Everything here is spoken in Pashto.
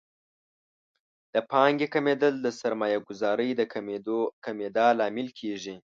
د پانګې کمیدل د سرمایه ګذارۍ د کمیدا لامل کیږي.